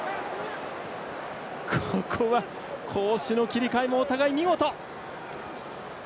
ここは攻守の切り替えもお互い、見事。